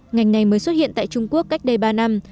ngành này mới xuất hiện tại trung quốc cách đây ba năm